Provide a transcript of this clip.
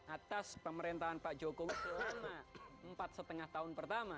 atas pemerintahan pak jokowi selama empat lima tahun pertama